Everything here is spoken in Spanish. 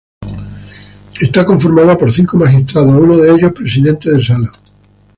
Está conformada por cinco magistrados, uno de ellos Presidente de Sala.